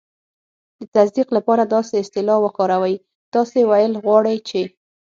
د تصدیق لپاره داسې اصطلاح وکاروئ: "تاسې ویل غواړئ چې..."